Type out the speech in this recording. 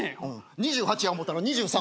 ２８や思うたら２３。